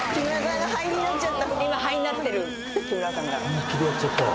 本気でやっちゃったわ。